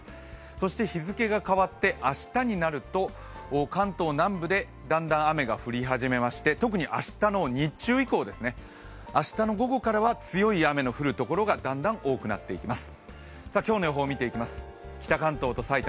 そして日付が変わって明日になると関東南部でだんだん雨が降り始めまして特に明日の日中以降明日の午後からは強い雨の降るところがだんだん多くなっていきます。